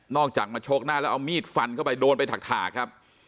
จากมาโชคหน้าแล้วเอามีดฟันเข้าไปโดนไปถากครับ